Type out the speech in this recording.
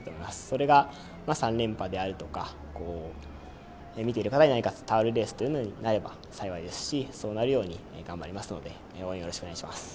それが３連覇であるとか、見ている方に何か伝わるレースになれば幸いですしそうなるように頑張りますので、応援よろしくお願いします。